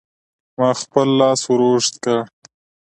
ما خپل لاس ور اوږد کړ.